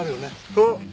そう。